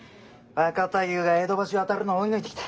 若太夫が江戸橋渡るのを追い抜いてきた。